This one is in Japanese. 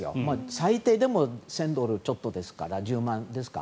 最低でも１０００ドルちょっとですから１０万円ですか。